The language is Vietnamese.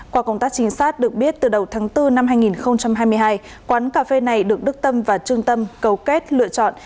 qua công tác trinh sát được biết từ đầu tháng bốn năm hai nghìn hai mươi hai quán cà phê này được đức tâm và trung tâm cầu kết lựa chọn